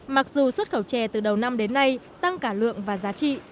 mặc dù xuất khẩu chè từ đầu năm đến nay tăng cả lượng và giá trị